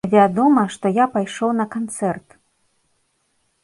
Вядома, што я пайшоў на канцэрт!